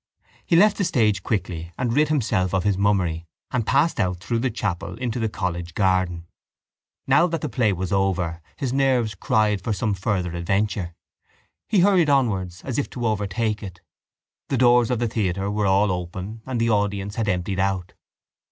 He left the stage quickly and rid himself of his mummery and passed out through the chapel into the college garden. Now that the play was over his nerves cried for some further adventure. He hurried onwards as if to overtake it. The doors of the theatre were all open and the audience had emptied out.